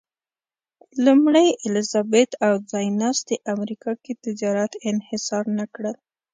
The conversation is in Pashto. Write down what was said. لومړۍ الیزابت او ځایناستي امریکا کې تجارت انحصار نه کړل.